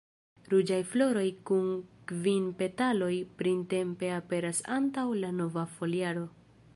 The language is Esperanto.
Ruĝaj floroj kun kvin petaloj printempe aperas antaŭ la nova foliaro.